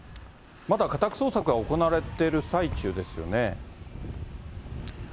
まだ家宅捜索が行われてる最中ですよね。